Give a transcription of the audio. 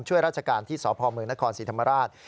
ช่วยราชการที่สพเมืองนครศรีธรรมราช